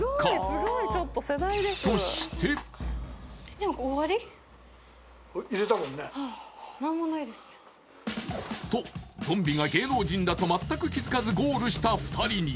水晶を取りこのとゾンビが芸能人だと全く気づかずゴールした２人に